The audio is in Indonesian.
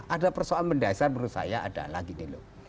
ada persoalan mendasar menurut saya adalah gini loh